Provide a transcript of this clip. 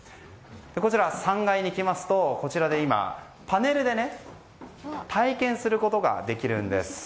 こちら、３階に来ますとパネルで体験することができます。